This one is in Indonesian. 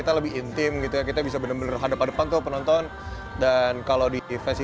band peraih emmy awards kategori karya produksi alternatif terbaik pada dua ribu enam belas ini